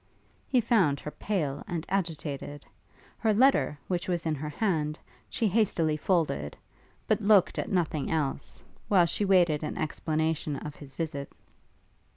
He found her pale and agitated. Her letter, which was in her hand, she hastily folded, but looked at nothing else, while she waited an explanation of his visit.